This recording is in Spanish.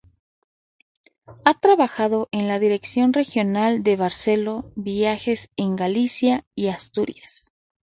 Ha trabajado en la Dirección Regional de Barceló Viajes en Galicia y Asturias.